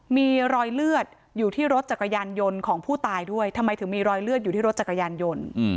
มีรอยเลือดอยู่ที่รถจักรยานยนต์ของผู้ตายด้วยทำไมถึงมีรอยเลือดอยู่ที่รถจักรยานยนต์